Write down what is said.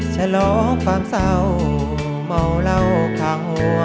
ฉลองฝ่ามเสาเมาเหล้าข้างหัว